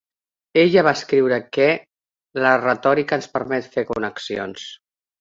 Ella va escriure que... la retòrica ens permet fer connexions...